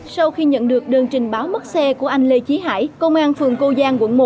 sau khi nhận được đơn trình báo mất xe của anh lê trí hải công an phường cô giang quận một